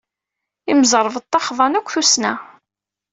Imẓerbeḍḍa xḍan akk tussna.